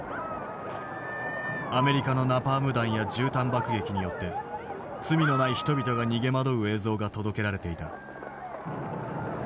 アメリカのナパーム弾やじゅうたん爆撃によって罪のない人々が逃げ惑う映像が届けられていた。